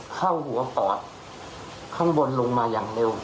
เข้าหัวปอดข้างบนลงมาอย่างเร็ว